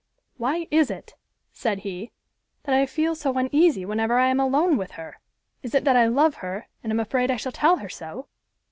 "Why is it," said he, "that I feel so uneasy whenever I am alone with her? Is it that I love her and am afraid I shall tell her so?